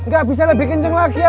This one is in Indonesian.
gak bisa lebih kenceng lagi ya